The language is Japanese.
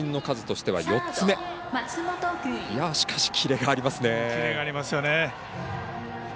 しかし、キレがありますね。